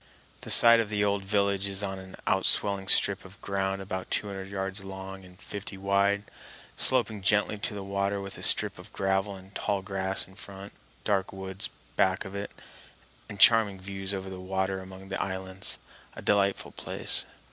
The site of the old village is on an outswelling strip of ground about two hundred yards long and fifty wide, sloping gently to the water with a strip of gravel and tall grass in front, dark woods back of it, and charming views over the water among the islands—a delightful place.